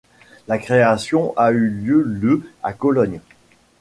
La création a eu lieu le à Cologne.